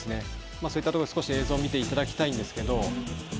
そういったところで少し映像を見ていただきたいんですけど。